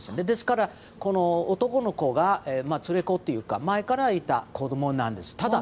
ですからこの男の子が連れ子というか前からいた子供なんです。